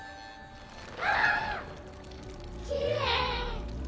わあきれい。